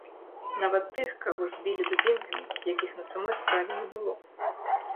Нават тых, каго збілі дубінкамі, якіх на самой справе не было.